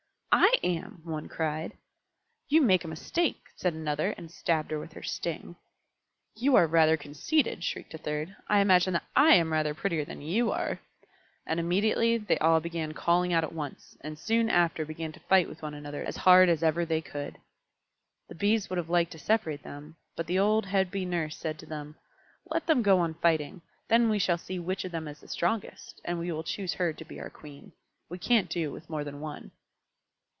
"I am!" one cried. "You make a mistake," said another, and stabbed her with her sting. "You are rather conceited," shrieked a third. "I imagine that I am rather prettier than you are." And immediately they all began calling out at once, and soon after began to fight with one another as hard as ever they could. The Bees would have liked to separate them, but the old head Bee Nurse said to them, "Let them go on fighting; then we shall see which of them is the strongest, and we will choose her to be our Queen. We can't do with more than one."